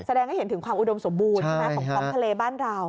แสดงให้เห็นถึงความอุดมสมบูรณ์ใช่ไหมของท้องทะเลบ้านเรา